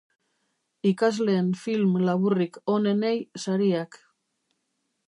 Ikasleen film laburrik onenei sariak.